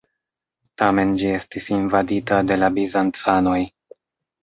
Tamen, ĝi estis invadita de la bizancanoj.